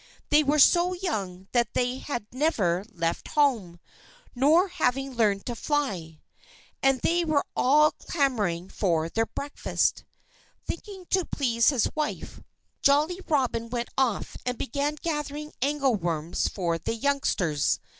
They were so young that they had never left home, not having learned to fly. And they were all clamoring for their breakfast. Thinking to please his wife, Jolly Robin went off and began gathering angleworms for the youngsters.